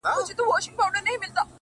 o گراني اوس دي سترگي رانه پټي كړه،